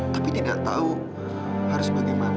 tapi tidak tahu harus bagaimana